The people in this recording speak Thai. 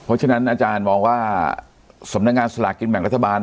เพราะฉะนั้นอาจารย์มองว่าสำนักงานสลากกินแบ่งรัฐบาล